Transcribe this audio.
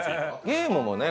ゲームもね